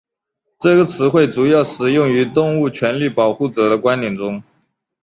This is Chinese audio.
这个词汇主要使用于动物权利保护者的观点中。